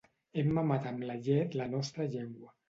Hem mamat amb la llet la nostra llengua.